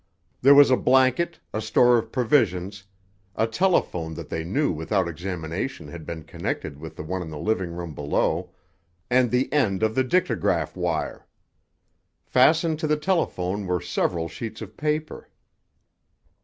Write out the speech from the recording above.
There was a blanket, a store of provisions, a telephone that they knew without examination had been connected with the one in the living room below, and the end of the dictograph wire. Fastened to the telephone were several sheets of paper.